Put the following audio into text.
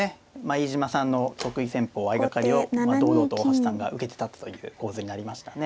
飯島さんの得意戦法相掛かりを堂々と大橋さんが受けて立つという構図になりましたね。